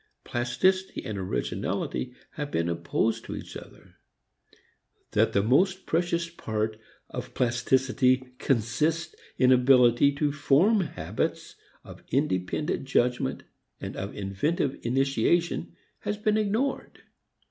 Plasticity and originality have been opposed to each other. That the most precious part of plasticity consists in ability to form habits of independent judgment and of inventive initiation has been ignored.